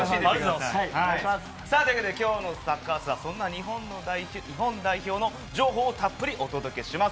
今日の『サッカー★アース』はそんな日本代表の情報、たっぷりお届けします。